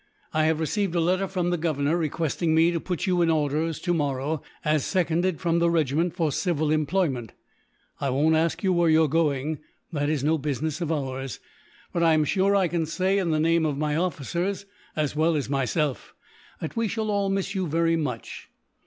I have received a letter, from the Governor, requesting me to put you in orders, tomorrow, as seconded from the regiment for civil employment. I won't ask you where you are going. That is no business of ours. But I am sure I can say, in the name of my officers as well as myself, that we shall all miss you, very much."